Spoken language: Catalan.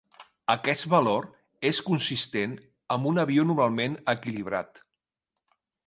Aquest valor és consistent amb un avió normalment equilibrat.